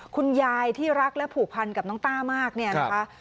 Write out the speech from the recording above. คุณยายที่รักและผูกพันกับน้องต้ามากเนี่ยนะคะ